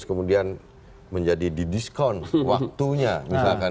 kemudian menjadi didiskon waktunya misalkan